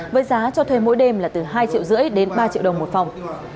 với giá cho thuê mỗi đêm là từ hai triệu rưỡi đến ba triệu đồng một phòng